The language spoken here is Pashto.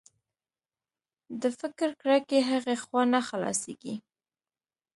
د فکر کړکۍ هغې خوا نه خلاصېږي